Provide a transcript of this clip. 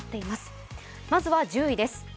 まずは１０位です